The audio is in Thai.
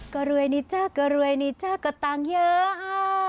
ก็รวยนี่จ้ะก็รวยนี่จ้ะก็ตังเยอะอ่า